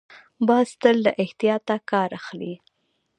باز تل له احتیاط کار اخلي